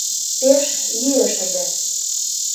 — Пеш йӱэш ыле...